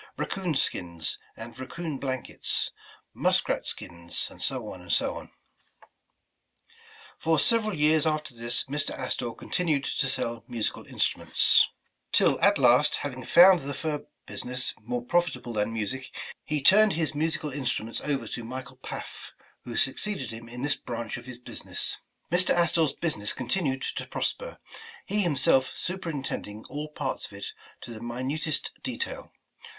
Raccoon Skins, and Raccoon Blankets, Muskrat Skins, etc., etc." 82 Home and Family For several years after this Mr. Astor continued to sell musical instruments, till at last, having found the fur business more profitable than music, he turned his musical instruments over to Michael Paff, who suc ceeded him in this branch of his business. Mr. Astor 's business continued to prosper, he him self superintending all parts of it to the minutest detail.